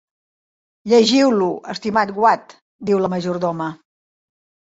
"Llegiu-lo, estimat Watt", diu la majordoma.